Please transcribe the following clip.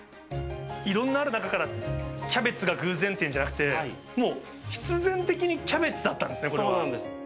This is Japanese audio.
いろんなある中から、キャベツが偶然っていうんじゃなくて、もう必然的にキャベツだっそうなんです。